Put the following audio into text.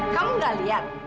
kamu gak lihat